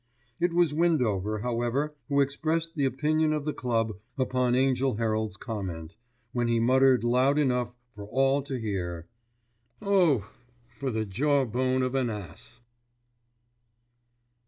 It was Windover, however, who expressed the opinion of the Club upon Angell Herald's comment, when he muttered loud enough for all to hear: "Oh! for the jawbone of an ass!"